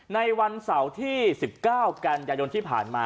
ในวันเสาร์ที่๑๙กันยายนที่ผ่านมา